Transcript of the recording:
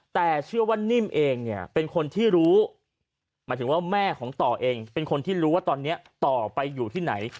แต่เชื่อว่านิ่มเองเนี่ยเป็นคนที่รู้หมายถึงว่าแม่ของต่อเองเป็นคนที่รู้ว่าตอนนี้ต่อไปอยู่ที่ไหน